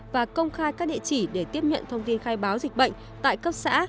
và công khai các địa chỉ để tiếp nhận thông tin khai báo dịch bệnh tại cấp xã